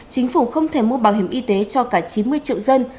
chính phủ không thể mua bảo hiểm y tế cho cả chín mươi triệu dân